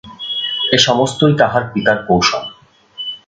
এ-সমস্তই তাঁহার পিতার কৌশল।